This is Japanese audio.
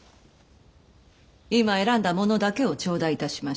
今選んだ物だけを頂戴いたしましょう。